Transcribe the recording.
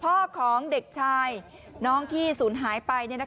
พ่อของเด็กชายน้องที่ศูนย์หายไป